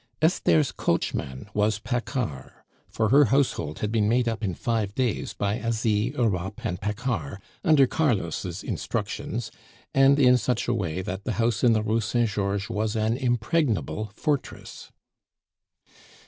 Esther's coachman was Paccard for her household had been made up in five days by Asie, Europe, and Paccard under Carlos' instructions, and in such a way that the house in the Rue Saint Georges was an impregnable fortress.